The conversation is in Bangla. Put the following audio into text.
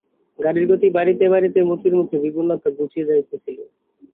গাড়ির গতি বাড়িতে বাড়িতে মতির মুখের বিবর্ণতা ঘুচিয়া যাইতেছিল।